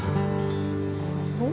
お？